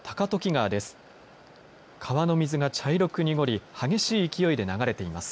川の水が茶色く濁り激しい勢いで流れています。